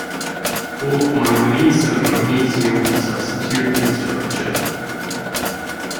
Both manganese and magnesium substitute in the structure.